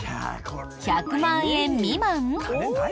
１００万円未満？